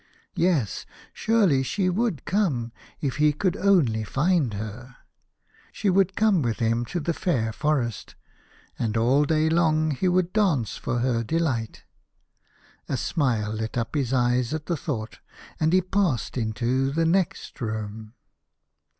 Yes : surely she would come if he could only find her ! She would come with him to the fair forest, and all day long he would dance for her delight. A smile lit up his eyes at the thought, and he passed into the next room.